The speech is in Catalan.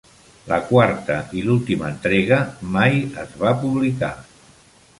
La quarta i l'última entrega mai es va publicar.